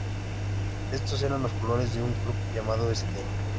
Estos eran los colores de un club llamado St.